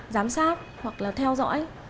giám sát hoặc là theo dõi